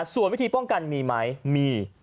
ส่วนวิธีป้องกันมีไหมมี